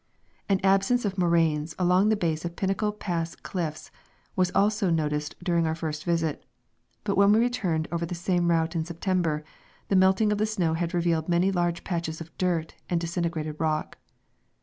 An absence of moraines along the base of Pinnacle pass cliffs was also noticed during our first visit, but when we returned over the same route in September the melting of the snow had revealed many large patches of dirt and disintegrated rock.